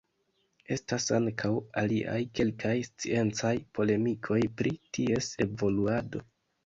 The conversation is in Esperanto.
Estas ankaŭ aliaj kelkaj sciencaj polemikoj pri ties evoluado.